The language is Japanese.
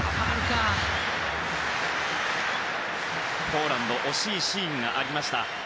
ポーランド惜しいシーンがありました。